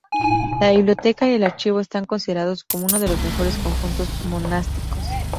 La biblioteca y el archivo están considerados como uno de los mejores conjuntos monásticos.